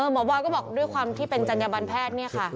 หมอบอยก็บอกด้วยความขึ้นจัญบันแพทย์